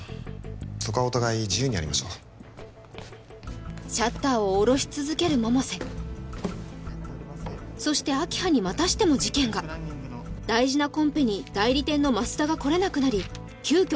そこはお互い自由にやりましょうシャッターを下ろし続ける百瀬そして明葉にまたしても事件が大事なコンペに代理店の舛田が来れなくなり急きょ